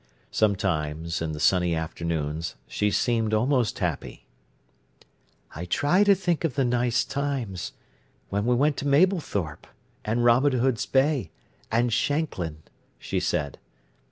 Sometimes, in the sunny afternoons, she seemed almost happy. "I try to think of the nice times—when we went to Mablethorpe, and Robin Hood's Bay, and Shanklin," she said.